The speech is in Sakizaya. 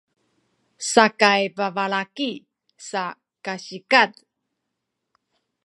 sakay babalaki sa kasikaz